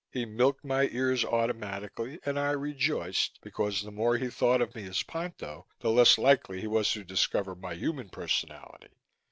He milked my ears automatically and I rejoiced, because the more he thought of me as Ponto the less likely he was to discover my human personality.